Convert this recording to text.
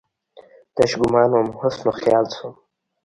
تش ګومان وم، حسن وخیال شوم